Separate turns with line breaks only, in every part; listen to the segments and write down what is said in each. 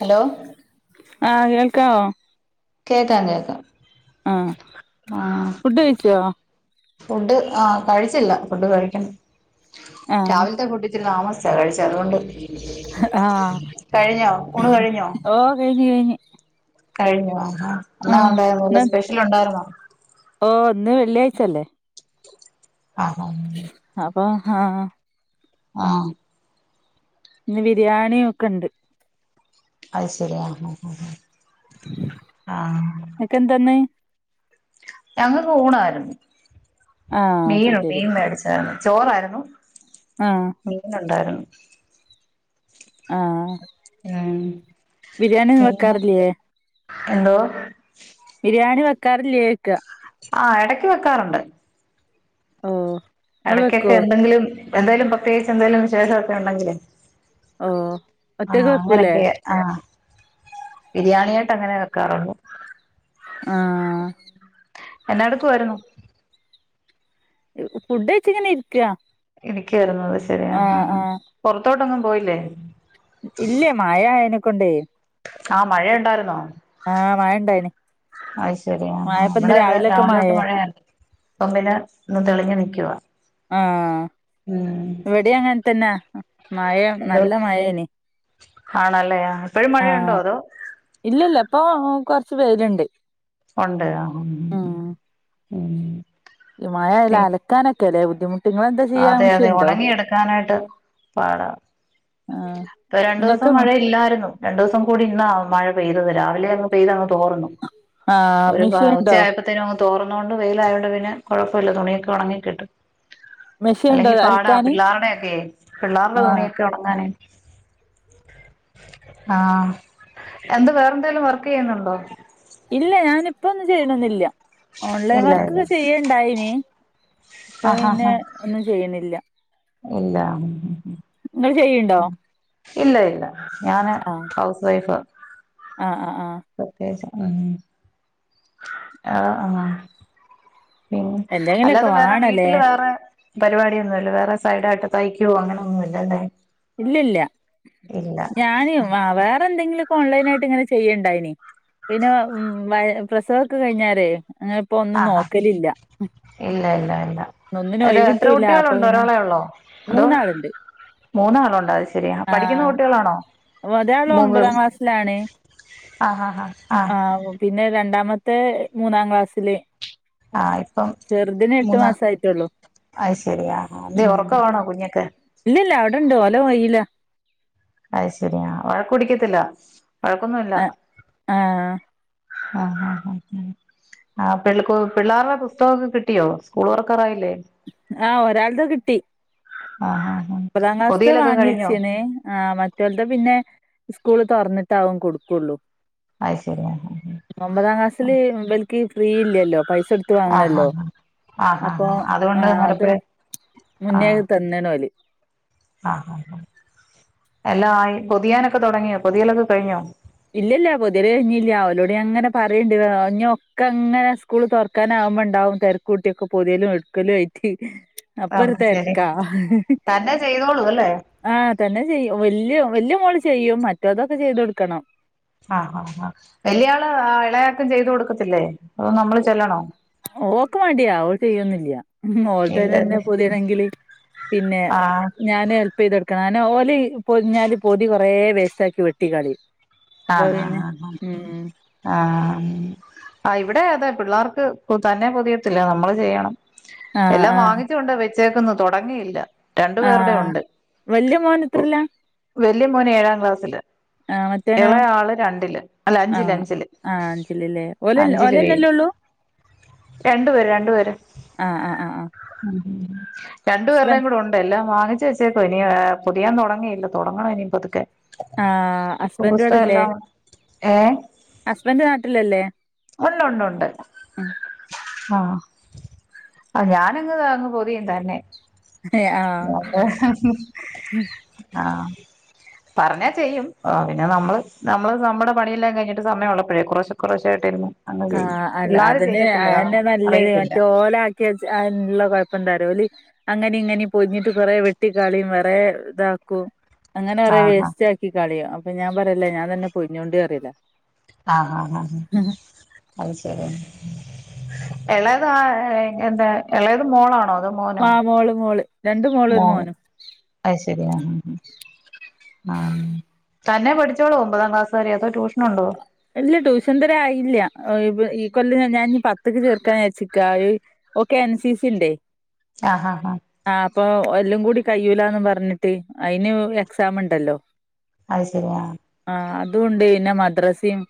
Hello
ആഹ് കേൾക്കമോ
കേക്കാം കേക്കാം
ആഹ്
ആഹ്
ഫുഡ് കഴിച്ചോ
ഫുഡ് ആഹ് കഴിച്ചില്ല ഫുഡ് കഴിക്കണം
ആഹ്
രാവിലത്തെ ഫുഡ താമസിച്ച കഴിച്ച അതുകൊണ്ട് കഴിഞ്ഞോ ഉണ് കഴിഞ്ഞോ
ഓഹ് കഴിഞ്ഞു കഴിഞ്ഞഞ്
കഴിഞ്ഞു ആഹാ എന്ന ഉണ്ടായിരുന്ന സ്പെഷ്യൽ ഉണ്ടായിരുന്നോ
ഓഹ് ഒന്ന് വെള്ളിയാഴ്ച അല്ലേ
ആണോ
അപ്പൊ ആഹ്
ആഹ്
ഇന്ന് ബിരിയാണിയക്കെ ഉണ്ട്
അത് ശരിയാ ആഹ്
ഇങ്ങക്കന്താന്ന്
ഞങ്ങക്ക് ഊണായിരുന്നു
ആഹ് അത്
മീന
ശരി
മീൻ മേടിച്ചായിരുന്നു ചോറായിരുന്നു
ആഹ്
മീനുണ്ടായിരുന്നു
ആഹ്
ഉം
ബിരിയാണിന്ന്
പിന്നെ
വെക്കാറില്ലേ
എന്തോ
ബിരിയാണി വെക്കാറില്ലേയ്ക്ക
ആഹ് എടക്ക് വെക്കാറുണ്ട്
ഓഹ്
ഇടയ്ക്കൊക്കെ എന്തെങ്കിലും എന്തായാലും പ്രത്യേകച്ച് എന്തായാലും വിശേഷമൊക്കെ ഉണ്ടെങ്കിലിൽ
ഓ ഒറ്റക്ക്
ആഹ്
വെക്കൂലേ
അങ്ങനൊക്കെ ആഹ് ബിരിയാണിയായിട്ട് അങ്ങനെ വെക്കാറുുള്ളോ
ആഹ്
എന്ന അടക്ക് വരുന്നു
ഫുഡ് വച്ചിങ്ങനെ ഇരിക്ക
എനിക്ക് വരുന്നത്
ആഹ് ആഹ്
പുറത്തോട്ടൊന്നും പോയില്ലേ
ഇല്ലേ മായായനെക്കൊണ്ടേ
ആഹ് മഴയ ഉണ്ടായിര് ന്നോ
ആഹ് മായ ഉണ്ടായിനി
അത് ശരിയ അവിടെ അത്
രാവിലെയൊക്കെ
രാവിലെ തൊട്ട്
മഴയാ
മഴയ ഇപ്പം പിന്നെ ഒന്ന് തെളിഞ്ഞു നിൽക്കുവ
ആഹ്
ഉം
ഇവിടെ അങ്ങനെ തന്നെ മഴ
എന്തോ
നല്ല മഴേനി
ആണല്ലേ ഇപ്പഴും മഴയുണ്ടോ അതോ
ഇല്ല ഇല്ല ഇപ്പൊ കൊറച്ച് വെയിലിണ്ട്
ഒണ്ട് ആഹ് ആഹ് ഉം
മയാല്
പി
അലക്കാനൊക്കെല്ലേ ബുദ്ധിമുട്ട് ഇങ്ങളെന്താ ചെയ്യാ
അതെ അതെ
മിഷീൻണ്ടോ
ഉണങ്ങി എടുക്കാനായിട്ട് പാടാ
ആഹ്
ഇപ്പൊ
ഇങ്ങക്ക്
രണ്ടുസം മഴ ഇല്ലായിരുന്നു രണ്ടൂസം കൂടി ഇന്നാ മഴ പെയ്തത് രാവിലെ അങ്ങ് പെയ്ത് അങ്ങ് തോർന്നു
ആഹ്
ഒരു
മിഷീൻണ്ടോ
ഉച്ചയായപ്പ ത്തേന് തോർന്നോണ്ട് വെയിലായോണ്ട് പിന്നെ കുഴപ്പമില്ല തുണിയൊക്കെ ഉണങ്ങി കിട്ടും
മെഷീൻണ്ടോ
അല്ലെങ്കീ പാടാ
അൽക്കാന്
പിള്ളേരുടെക്കേ പിള്ളേരുടെ
ആഹ്
തുണിയൊക്കെ ഉണങ്ങാനേ ആഹ് എന്ത് വേറെന്തെലും വർക്ക് ചെയ്യുന്നുണ്ടോ
ഇല്ല ഞാനിപ്പൊന്നും ചെയ്യണൊന്നില്ല ഓൺലൈൻ
ഇല്ല
വർക്ക്
ഇല്ല
ഒക്കെ ചെയ്യാണ്ടായിനി ഇപ്പൊ പിന്നെ ഒന്നും ചെയ്യുന്നില്ല
ഇല്ലാ ഉം ഉം
ഇങ്ങള് ചെയ്യ്ണ്ടോ
ഉം ഇല്ല ഇല്ല ഞാന്
ആഹ്
ഹൗസ് വൈഫാ
ആഹ് ആഹ് ആഹ്
പ്രത്യേകിച്ച് ഉം ആഹ് ആഹ് പിന്ന
എന്തെങ്കിലൊക്കെ
അല്ലാതെ വേറെ
വാണല്ലേ
വീട്ടില് വേറെ പരിപാടിയൊന്നുല്ല വേറെ സൈഡായിട്ട് തയ്ക്കുവോ അങ്ങനെയൊന്നുല്ലല്ലേ
ഇല്ലില്ല ഞാന് വേറെ എന്തെങ്കിലുക്കെ ഓൺലൈനായിട്ട് ഇങ്ങനെ ചെയ്യണ്ടായിന് പിന്നെ ഉ വ പ്രസവൊക്കെ കഴിഞ്ഞാരേ അങ്ങനെ ഇപ്പോന്നും
ആഹ് ഹാ
നോക്കലില്ല
ഇല്ല ല്ല ല്ല അ എത്ര കുട്ടികളുണ്ട് ഒരാളെള്ളോ
മൂന്നാള്ണ്ട്
മൂന്നാളുണ്ട് അയ്ശരി പഠിക്കുന്ന കുട്ടികളാണോ
ഒരാള്
മൂന്ന്
ഒമ്പതാംക്ലാസ്സിലാണ്
ആഹ് ആഹ് ആഹ്
ആഹ് ആ പിന്നെ രണ്ടാമത്തെ മൂന്നാക്ലാസ്സില്
ആഹ് ഇപ്പം മൂന്ന്
മാസായിട്ടുള്ളൂ
അയ്ശെരിയ അതെ ഒറക്കാണോ കുഞ്ഞാക്കെ
ഇല്ലല്ല അവിടെണ്ട് ഓലകയ്യിലാ
അയ്ശെരിയാ അഹ് വഴക്കടിക്കത്തില്ല വഴക്കൊന്നുല്ല
ആഹ് ആഹ്
ആഹ് ആഹ് ആഹ് ആഹ് പി കു പിള്ളേരെ പുസ്തകൊക്കെ കിട്ടിയോ സ്കൂള് തൊറക്കറായില്ലേ
ആഹ് ഒരാൾട കിട്ടി
ആഹ് ആഹ് ആഹ്
ഒമ്പതാം ക്ലാസ്ത്ത്
പൊതിയലൊക്കെ
വാങ്ങി
കഴിഞ്ഞോ
വെച്ചേനെ ആഹ് മറ്റൊൽത് പിന്നെ സ്കൂള് തൊറന്നിട്ടാവും കൊടുക്കുള്ളൂ
അത് ശരി ആഹ്
ഒമ്പതാം ക്ലാസില് ഇബൽക്ക് ഫ്രീ ഇല്ലല്ലോ പൈസൊടുത്ത്
ആഹ് ആഹ്
വാങ്ങണല്ലോ
ആഹ് ആഹ് ആഹ്
അപ്പൊ
ആഹ് അതുകൊണ്ട്
ആഹ് അത്
അന്നേരപ്പഴേ
മുന്നേ അത്
ആഹ്
തന്നേണോല്
ആഹ് ആഹ് എല്ലാം ആയി പൊതിയാനൊക്കെ തൊടങ്ങിയോ പൊതിയലൊക്കെ കഴിഞ്ഞോ
ഇല്ലില്ല പൊതിയല് കയിഞ്ഞില്ല ഓലോട്ഞങ്ങനെ പറയേണ്ട് ഇഞ്ഞ് ഒക്കെങ്ങനെ സ്കൂള് തൊറക്കാനാവുമ്പോ ഇണ്ടാവും തെരക്കുട്ടിക്കെ പൊതിയലും എട്ക്കലും ആയിട്ട് അപ്പൊരു
അത് ശരി
തെരക്കാ
തന്നെ ചെയ്തോളൂ അല്ലേ
ആഹ് തന്നെചെയ്യും വല്യ വല്യമോള് ചെയ്യും മറ്റോതൊക്കെ ചെയ്തൊടുക്കണം
ആഹ് ആഹ് ആ വല്യള് ആ ഇളയാക്ക ചെയ്തു കൊടുക്കത്തില്ലേ അതൊ നമ്മള്ചെല്ലണോ
ഓക്ക് മടിയാ ഓള് ചെയ്യൊന്നില്ല ഓൾത തന്നെ
ഇല്ലല്ലേ
പൊതിയണെങ്കില് പിന്നെ
ആഹ്
ഞാന് ഹെല്പ്യ്തെടുക്കണം ഞാന് ഓല് പൊതിഞ്ഞാല് പൊതി കൊറെ വേസ്റ്റാക്കി വെട്ടിക്കളയും
ആഹ് ആഹ് ആഹ് ആഹ് ആഹ് ഇവിടെ അതെ പിള്ളേർക്ക് തന്നെ പൊതിയത്തില്ല നമ്മള് ചെയ്യണം
ആഹ്
എല്ലാം
ആഹ്
വാങ്ങിച്ചുണ്ട് വെച്ചേക്കന്ന് തൊടങ്ങിയില്ല
ആഹ് വല്യമോൻ എത്രലാ
വല്യ മോന് ഏഴാക്ലാസ്സില്
ആഹ് മറ്റോനോ
എളയാള് രണ്ടില് അല്ല അഞ്ചില്
ആഹ്
അഞ്ചില്
ആഹ് അഞ്ചിലില്ലേ ഓല്
അഞ്ചില് വേ
ഓലന്നെല്ലേ ഉള്ളൂ
രണ്ടുപേര് രണ്ടുപേര്
ആഹ് ആഹ് ആഹ് ആഹ്
ഉം രണ്ടുപേർടെ
ഹസ്ബൻഡ്
കൂടെണ്ട് എല്ലാം വാങ്ങിച്ചുവെച്ചേക്ക ഇനി പൊതിയാൻ തൊടങ്ങിയില്ല തെടങ്ങണം ഇനി പതുക്കെ
ആഹ്
ബുക്കും
ഹസ്ബൻഡ്
പുസ്തകെല്ലാം ഏഹ്
ഹസ്ബൻ്റ് നാട്ടിലല്ലേ
ഉണ്ടു ഒണ്ടു ഒണ്ട്
ഉം
ആഹ് ആഹ് ഞാനങ്ങ് അങ്ങ് പൊതിയും തന്നെ
ഏഹ് ആഹ്
അങ്ങനെ ആഹ് പറഞ്ഞാചെയ്യും പിന്നെ നമ്മള് നമ്മള് നമ്മടെ പണിയെല്ലാം കയിഞ്ഞിട്ട് സമയഉള്ളപ്പോഴേ കോറശെ കൊറെശായിട്ടായിരുന്നു
ആഹ് അല്ല അതിന് എന്നെ നല്ലത്
അറിയത്തില്ല
മറ്റേ ഓലി ക്കിവേച്ച ള്ള കൊഴപ്പം എന്തന്ന് അറിയോ അങ്ങനെ ഇങ്ങനെ പൊഞ്ഞിട്ട് കൊറെ വെട്ടിക്കാളിയും വേറെ ഇതാക്കൂ അങ്ങനെ കുറെ
ആഹ്
വേസ്റ്റ് ആക്കി കളിയും അപ്പൊ ഞാൻ പറയല്ല ഞാൻ തന്നെ പൊഞ്ഞോണ്ട പറിയും
ആഹ് ആഹ് ആഹ് അത് ശരി ഇളയത് ആഹ് എന്താ ഇളയത് മോളാണോ അതും
മാ മോള് മോള് രണ്ട് മോള് ഒരു മോനും
അത് ശരി ആഹ് ആഹ് തന്നെ പഠിച്ചോളോ ഒമ്പതാം ക്ലാസ് വരെ അതോ ട്യൂഷന് ഉണ്ടോ
ഇല്ല ട്യൂഷൻ തരെ ആയില്ല ഈ കൊല്ല ഞാൻ പത്തക്ക് ചേർക്കാൻ ചച്ചിക്കാ ഓക്കെ എൻ സി സി ഒന്റെറെ
ആഹ് ആഹ് ആഹ്
ആഹ് അപ്പൊ എല്ലും കൂടി കഴൂലന്ന് പറഞ്ഞിട്ട് അയിന് എക്സം ഉണ്ടല്ലോ
അത് ശരിയാ
ആഹ് അതുകൊണ്ട് പിന്നെ മദ്രസയും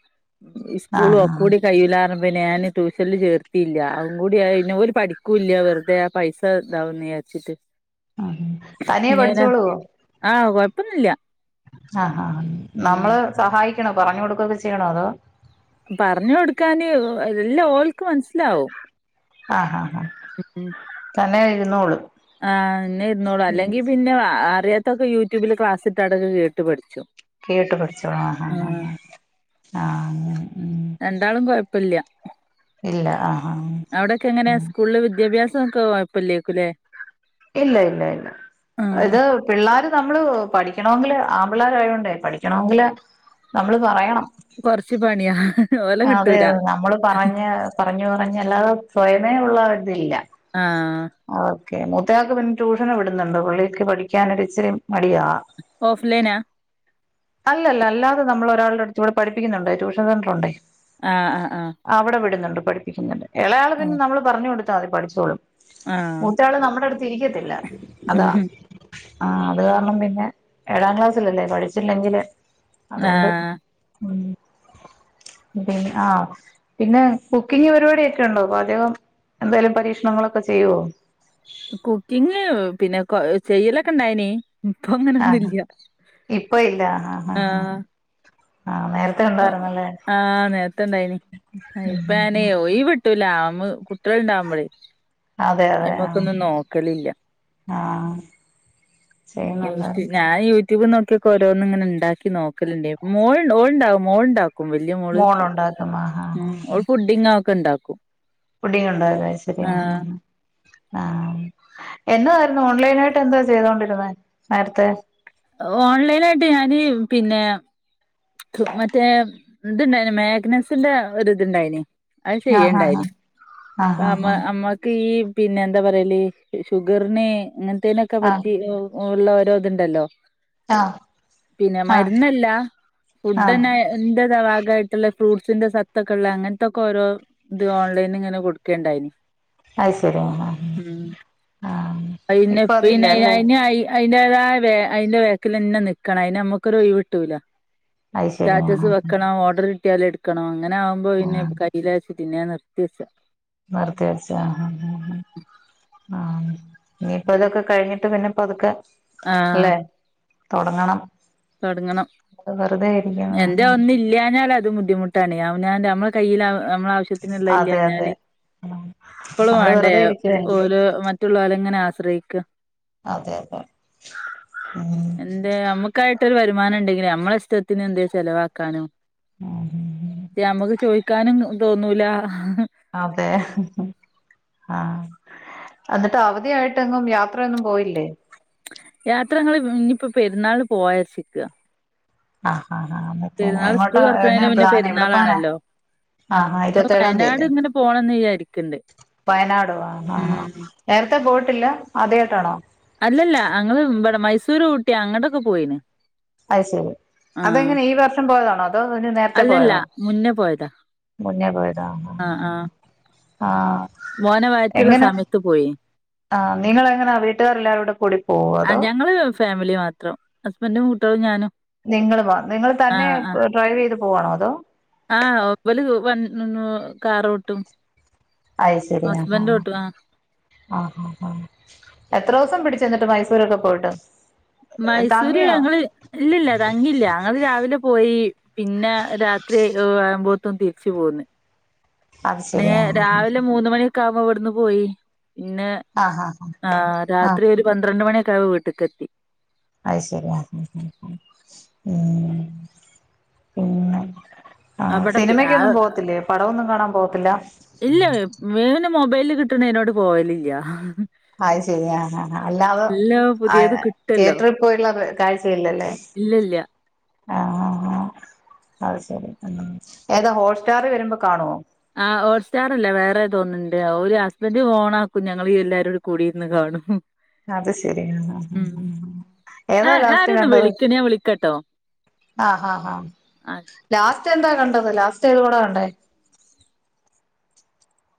ആ
സ്കൂളും
ഹാ
ഒക്കെ കൂടി കയ്യിൽ ആര അപ്പം ഞാൻ ട്യൂഷനിൽ ചേർത്തിയില്ല അവും കൂടി ഇതിനതുപോലെ പഠിക്കൂല്ല വെറുതെ പൈസ ഇതാവുന്ന
ആ തനിയെ
ഇങ്ങന
പഠിച്ചോളുവോ
ആഹ് കൊഴപ്പൊന്നില്ല
ആഹ് ആഹ് നമ്മള് സഹായിക്കണോ പറഞ്ഞു കൊടുക്കൊക്കെ ചെയ്യണോ അതോ
പറഞ്ഞു കൊടുക്കാന് എല്ലാ ഒൾക്ക് മനസ്സിലാവും
ആഹ് ആഹാ ആഹ്
ഉം
തന്നെ ഇരുന്നോളു
ആഹ് എന്ന്നെ ഇരുന്നോളൂ അല്ലെങ്കിൽ പിന്നെ അറിയാത്തൊക്കെ യൂട്യൂബിൽ ക്ലാസ്സി ഇട്ട്ടക്ക് കേട്ട് പഠിച്ചു
കേട്ട് പിടിച്ചു ആഹ് ആഹ് ആഹ് ആഹ് ആഹ്
രാണ്ടളും കുഴപ്പില്ല
ആ ഹാ
അവിടൊക്കെ എങ്ങനെയ സ്കൂളില് വിദ്യാഭ്യാസം ഒക്കെ കുഴപ്പില്ലേക്കല്ലേ
ഇല്ല ഇല്ല ഇല്ല
ആഹ്
ഇത് പിള്ളേര് നമ്മള് പഠിക്കണമെങ്കില് ആൺ പിള്ളോര ആയതോണ്ടേ പഠിക്കണമെങ്കില് നമ്മള് പറയണം
കുറച്ച് പണിയ
അതെ അതെ നമ്മള് പറഞ്ഞഞ് പറഞ്ഞു പറഞ്ഞഞ് അല്ലാതെ സ്വയമേ ഉള്ള ഇതില്ല
ആഹ്
ഓക്കെ മൂത്തയാൾക്ക് പിന്നെ ട്യൂഷന വിടുന്നുണ്ട് പുള്ളിക്ക് പഠിക്കാനൊരിച്ചിരി മടിയാ
ഓഫ് ലൈനാ
അല്ലല്ല അല്ലാതെ നമ്മളൊരാള്ടട് ത്തൂടെ പഠിപ്പിക്ക്ന്ന്ണ്ട് ട്യൂഷൻ സെൻ്റ്രുണ്ട്.
ആഹ് ആഹ് ആഹ്
അവടെ വിട്ന്ന്ണ്ട് പഠിപ്പിക്കുന്നുണ്ട് ഇളയാളെ പിന്നെ
ആഹ്
നമ്മള് പർഞ്ഞൊട്ത്താതി പഠിച്ചോളും.
ആഹ് ആഹ്
മൂത്താള് നമ്മട ട്ത്ത് ഇരിക്കത്തില്ല അതാ ആഹ് അത് കാരണം പിന്നെ ഏഴാം ക്ലാസ്സിലല്ലേ പഠിച്ചില്ലെങ്കില് അതോണ്ട്
ആഹ്
ഉം പി ആഹ് പിന്നെ കുക്കിംഗ് പരിപാട്യൊക്കെണ്ടോ പാചകം എന്തേലും പരീക്ഷണങ്ങളൊക്കെ ചെയ്യോ?
കുക്കിങ് പിന്നെ കൊ ചെയ്യലൊക്കെണ്ടായിനി.
ആഹ്
ഇപ്പങ്ങനൊന്നുല്ല ആഹ്
ആഹ് നേര
ആഹ് നേരത്തണ്ടായിനി
ഉം ഉം
ഇപ്പയ്ന് ഒയ് വ് ട്ടൂല്ല അമ്മക്ക് കുട്ട്യള്ണ്ടാവുമ്പളേ
അതെ അതെ ആഹ്
അയ്മക്കൊന്നും നോക്കലില്ല.
ആഹ്
ഇൻസ്‌റ്റേ
ചെയ്യുന്നുണ്ടായിരുന്നു
ഞാനീ യു റ്റൂബ് നൊക്ക്യൊക്കോരോന്ന്ങ്ങനെ ണ്ടാക്കി നോക്കല്ണ്ട് മോള്ണ്ട് ഓള്ണ്ടാവും മോള്ണ്ടാ ക്കും വെല്ല്യെ മോള്
മോളുണ്ടാക്കും ആഹ് ആഹ്
ഉം ഓള് പുഡിങ്ങ ഒക്കെണ്ടാക്കും.
പുഡിങ്ങ്ണ്ടോ അയ് ശെരി ആഹ് ആഹ് ആഹ് ആഹ് എന്നായിര്ന്നു ഓൺലൈനായിട്ട് എന്തോ ചെയ്തൊണ്ടിര്ന്നേ നേരത്തെ
ഓൺലൈനായിട്ട് ഞാന് പിന്നെ ക്ക് മറ്റേ ത്ണ്ടായിണ് മേഗ്നസിന്റെ ഒര് ത്ണ്ടായിനി അത്
ആഹ് ആഹ്
ചെയ്യെണ്ടായിനി
ആഹ്
പ്പ മ്മ
ആഹ്
അമ്മക്ക് ഈ പിന്നെ എന്താ പറ്യല് ഷുഗറ്ന് അങ്ങൻത്തേനൊക്കെ
ആഹ്
പറ്റി എഹ് എഹ് ള്ളെ ഓരോത്ണ്ടല്ലോ
ആഹ്
പിന്നെ
ആഹ്
മര്ന്നല്ല.
ആഹ് ആഹ്
ഫുഡന്നെ ന്റെ രെ ഭാഗയിട്ട്ള്ള ഫ്രൂട്ട്സിന്റെ സത്തെക്കെള്ള അങ്ങൻത്തെക്കൊരോ ഇത് ഓൺലൈന്ന്ങ്ങനെ കൊട്ക്കേണ്ടായിനി
അത് ശരി ആഹ്
ഉം
ആഹ്
അയ്ന്
ഇപ്പൊ അതില്ല
പ്പനയ്നായി
അല്ലേ
ആയ്നായി അതിന്റേതായ ബേ അയ്ന്റെ ബേക്കിലെന്നെ നിക്കണം അയ്ന് അമ്മക്കൊരൊയിവ്ട്ടൂല്ല.
അത് ശരി ആഹ്
സ്റ്റാറ്റസ്
ആഹ്
വെക്കണം ഓർഡർ കിട്ട്യാല്ട്ക്കണം അങ്ങനാവുമ്പോ പിന്നെ
ആഹ്
കയ്യിലചാര്ച്ച് പിന്നെ ഞാൻ നിർത്തി വെച്ച.
നിർത്തി വെച്ച ആഹ് ഹാ ഹ ഹ ആഹ് ഇഞ്പ്പതൊക്കെ കഴിഞ്ഞിട്ട് പിന്നെ പത്ക്കെ
ആഹ്
അല്ലെ തൊടങ്ങണം.
തൊടങ്ങണം
അത് വെറുതെ ഇരിക്കുന്ന
എൻ്റെ
ആഹ്
അതൊന്നി ല്ല്യാഞ്ഞാലതും ബുദ്ധിമുട്ടാണ് അവനാൻ്റെ അമ്മളെ കയ്യില് അവ് അമ്മളാവ ശ്യത്തിന്ള്ളെ
അതെ അതെ
ഇല്ല്യാഞ്ഞാല്
ആഹ്
പ്പളും
നമ്മള്
മാണ്ടേ
വെറുതെ ഇരിക്കുവല്ലേ
ഓല് മ റ്റുള്ളോരെങ്ങനെ ആശ്രയിക്ക.
അതെ യതെ ഉം
തെ നമക്കായിട്ടൊരു വരുമാനണ്ടെങ്കില് അമ്മളെഷ്ടത്തിനെന്തേ ചെലവാക്കാനോ
[unintelligible]
ഇപ്പ ഞമ്മക്ക് ചോയ്ക്കാനും തോന്നൂല.
അതെ ആഹ് അന്ന്ട്ട് അവധിയായിട്ടെങ്ങും യാത്രയൊന്നും പോയില്ലേ?
യാത്ര ഞങ്ങള് ഇഞിപ്പോ പെര്ന്നാളിന് പോവാചാര്ച്ചിക്ക.
ആഹ് ഹാ ഹാ അന്നത്തെന് എങ്ങോട്ട
സ്കൂൾ
എന്ന
തുറക്കണതിന് മുന്നേ
പ്ലാൻ എവടെ പോവാനാ?
പെരുന്നാളാണല്ലോ
ആഹ് ഹാ
വയനാട്
ഇരുപത്തേഴാംതീയല്ലേ
ഇങ്ങനെ പോണംന്ന് വിചാരിക്ക്ണ്ട്
വയനാടോ ആഹ് ആഹ്
ഉം
ആഹ് നേരത്തെ പോയിട്ടില്ല ആദ്യായിട്ടാണോ?
അല്ലല്ല അങ്ങള് ഇബടെ മൈസൂര്, ഊട്ടി അങ്ങട്ടൊക്കെ പോയിണ്.
അയ് ശെരി അതെങ്ങനെ ഈ വർഷം പോയതാണോ അതോ ഇതിന് നേരത്തെ
അല്ലല്ല
പോയതോ?
മുന്നേ പോയ
മുന്നേ പോയതാ ആ ആഹ്
മോനവയറ്റിയുള്ള സമയത്ത് പോയി
ആ നിങ്ങൾ എങ്ങനാ വീട്ടുകാർ എല്ലാവരോൂടെ കൂടി പോവോ
ആഹ്
അതോ
ഞങ്ങള് ഫാമിലി മാത്രം ഹസ്ബൻറും കുട്ടോളും ഞാനും
നിങ്ങള് മാത്ര നിങ്ങൾ തന്നെ
ആഹ് ആഹ്
ഡ്രൈവ് ചെയ്ത് പോവാണോ അതോ
ആഹ് ഹസ്ബന്റ് കാറോട്ടും
അയി ശരി ആഹ്
ഹസ്ബൻഡ്
ആഹ്
ഓട്ടും
ആഹ് ആഹ് ആ എത്ര ദിവസം പിടിച്ചെന്നിട്ട് മൈസൂരൊക്കെ പോയിട്ട്
മൈസൂര്
തങ്ങിയോ
ഞങ്ങള് ഇല്ലില്ല തംഗില്ല ഞങ്ങൾ രാവിലെ പോയി പിന്നെ രാത്രി ആകുമ്പോഴത്തും തിരിച്ച് പോന്ന്
അത്
ന
ശരി ആ
രാവിലെ മൂന്ന് മണിയൊക്കെ ആകുമ്പോൾ ഇവിടുന്ന് പോയി പിന്നെ
ആ ആ ആ
ആ
ആ ആ
രാത്രി ഒരു പന്ത്രണ്ട് മണിയക്കെ ആ വീട്ടക എത്തി
അത് ശരിയാ ഉം പിന്നെ ആ
അവിടെ പി ആ
സിനിമക്കൊന്നും പോവത്തില്ലേ പടമൊന്നും കാണാൻ പോകത്തില്ല
ഇല്ല ഇവന് മൊബൈല് കിട്ടണ ന്നോട് പോയലില്ല
അത് ശരിയ ഹ ഹ അല്ലാത
എല്ലാം
ആ
പുതിയത് കിട്ടല്ലോ
തിയേറ്ററിൽ പോയുള്ള കാഴ്ചയില്ലല്ലേ
ഇല്ലല്ല
ആ അത് ശരി ഏതാ ഹോട്ട്സ്റ്റാർ വരുമ്പോ കാണുവോ
ആ് ഹോട്ട് സ്റ്റാറല്ല വേറെ തോന്നുന്നുണ്ട് ഓരു ഹസ്ബൻന്റ് ഓണ ആക്കും ഞങ്ങളീ എല്ലാരുടെ കൂടിന്ന് കാണും
അത് ശരിയാ
ഉം ആ
ഏതാ ലാസ്റ്റന്
ആരൊന്ന്
കണ്ടത്
വിളിക്കണ് ഞാൻ വിളിക്കാട്ടോ
ആഹ് ഹ ഹാ
ആ
ലാസ്റ്റ് എന്താ കണ്ടത് ലാസ്റ്റ് ഏത് പടാ കണ്ടേ